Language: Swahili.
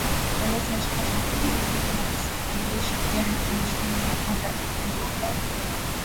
Uenezi wa Chama cha mapinduzi Taifa nafasi aliyoishikilia hadi mwishoni mwa mwaka elfu mbili